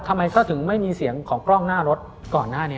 ทำไมเขาถึงไม่มีเสียงของกล้องหน้ารถก่อนหน้านี้